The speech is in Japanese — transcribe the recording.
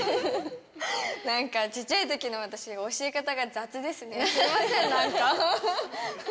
なんか、ちっちゃいときの私、教え方が雑ですね、すみません、なんか。